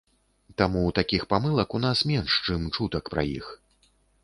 Таму, такіх памылак у нас менш, чым чутак пра іх.